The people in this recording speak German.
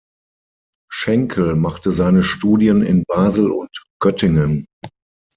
Schenkel machte seine Studien in Basel und Göttingen.